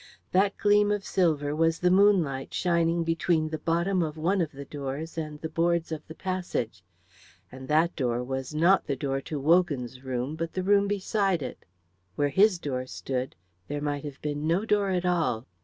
That gleam of silver was the moonlight shining between the bottom of one of the doors and the boards of the passage. And that door was not the door of Wogan's room, but the room beside it. Where his door stood, there might have been no door at all.